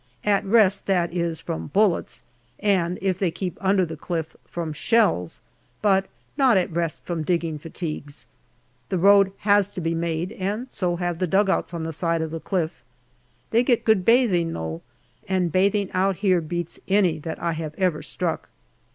At rest, that is, from bullets, and, if they keep under the cliff, from shells, but not at rest from digging fatigues. The road has to be made, and so have the dugouts on the side of the cliff. They get good bathing though, and bathing out here beats any that I have ever struck.